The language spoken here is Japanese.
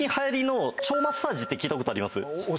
聞いたことあります